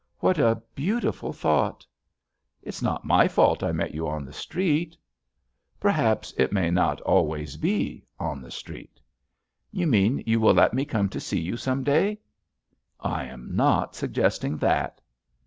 "What a beautiful thought 1" "It's not my fault I met you on the street." "Perhaps it may not always be, on the street." "You mean you will let me come to see you some day?" "I am not suggesting that."